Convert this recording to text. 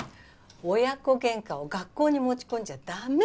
親子喧嘩を学校に持ち込んじゃ駄目！